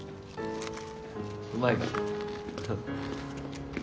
うまいか？